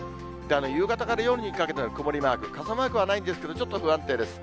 夕方から夜にかけては曇りマーク、傘マークはないんですけど、ちょっと不安定です。